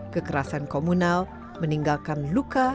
kekerasan komunal meninggalkan luka